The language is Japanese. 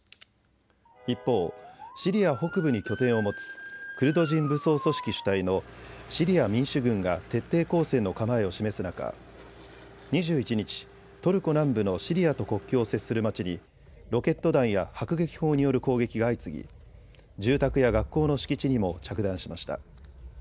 一方、シリア北部に拠点を持つクルド人武装組織主体のシリア民主軍が徹底抗戦の構えを示す中２１日、トルコ南部のシリアと国境を接する町にロケット弾や迫撃砲による攻撃が相次ぎ住宅や学校の敷地にも着弾しました。